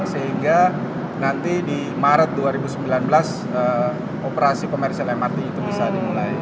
sehingga nanti di maret dua ribu sembilan belas operasi komersial mrt itu bisa dimulai